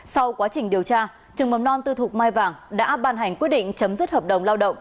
sau quá trình điều tra trường mầm non tư thục mai vàng đã ban hành quyết định chấm dứt hợp đồng lao động